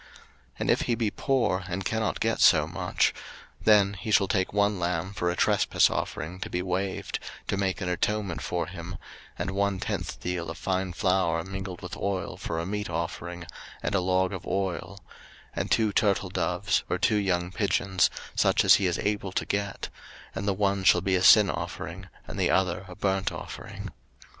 03:014:021 And if he be poor, and cannot get so much; then he shall take one lamb for a trespass offering to be waved, to make an atonement for him, and one tenth deal of fine flour mingled with oil for a meat offering, and a log of oil; 03:014:022 And two turtledoves, or two young pigeons, such as he is able to get; and the one shall be a sin offering, and the other a burnt offering.